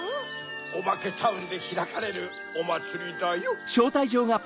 ・・オバケタウンでひらかれるおまつりだよ・